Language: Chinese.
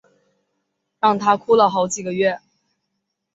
让她哭了好几个月